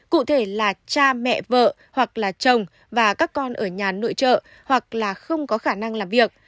cụ thể là cha mẹ vợ hoặc là chồng và các con ở nhà nội trợ hoặc là không có khả năng làm việc